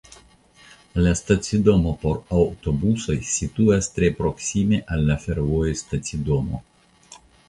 La stacidomo por aŭtobusoj situas tre proksime al la fervoja stacidomo.